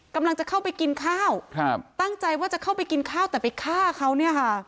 กำลังจะเข้าไปกินข้าวครับตั้งใจว่าจะเข้าไปกินข้าวแต่ไปฆ่าเขาเนี่ยค่ะ